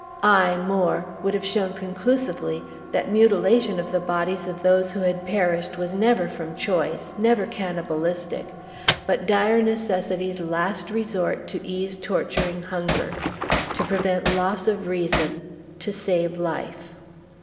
Aye, more, would have shown conclusively that mutilation of the bodies of those who had perished was never from choice, never cannibalistic, but dire necessity's last resort to ease torturing hunger, to prevent loss of reason, to save life.